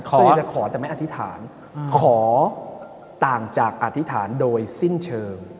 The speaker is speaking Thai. ขอจะขอแต่ไม่อธิษฐานขอต่างจากอธิษฐานโดยสิ้นเชิง